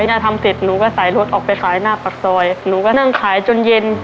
น่ะทำเสร็จหนูก็ใส่รถออกไปขายหน้าปากซอยหนูก็นั่งขายจนเย็น